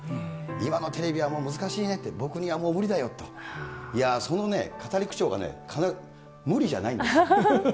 今のテレビは難しいね、僕にはもう無理だよって、いやー、その語り口調がね、無理じゃないんです。